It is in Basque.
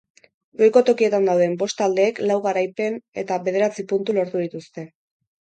Goiko tokietan dauden bost taldeek lau garaipen eta bederatzi puntu lortu dituzte.